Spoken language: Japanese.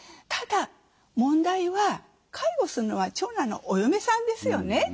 ただ問題は介護するのは長男のお嫁さんですよね。